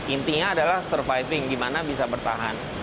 intinya adalah surviving gimana bisa bertahan